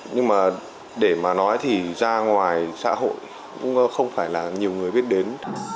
nhưng mà để mà nói thì ra ngoài xã hội cũng không phải là nhiều người biết đến